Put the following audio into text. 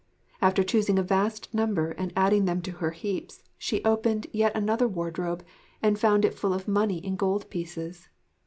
After choosing a vast number and adding them to her heaps, she opened yet another wardrobe and found it full of money in gold pieces.